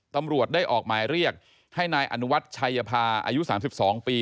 ตำรวจได้ออกหมายเรียกให้นายอนุวัฒน์ชัยภาอายุ๓๒ปี